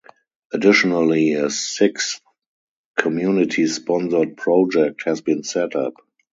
Additionally a sixth, community sponsored project has been set up.